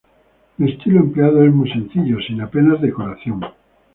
El estilo empleado es muy sencillo, sin apenas decoración.